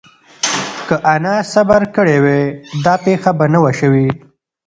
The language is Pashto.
که انا صبر کړی وای، دا پېښه به نه وه شوې.